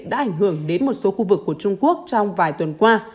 đã ảnh hưởng đến một số khu vực của trung quốc trong vài tuần qua